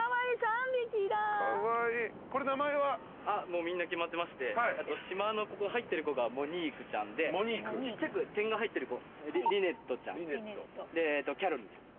もうみんな決まってましてしまの入ってる子がモニークちゃんでちっちゃく点が入ってる子リネットちゃん。でキャロルちゃん。